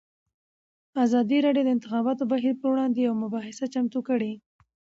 ازادي راډیو د د انتخاباتو بهیر پر وړاندې یوه مباحثه چمتو کړې.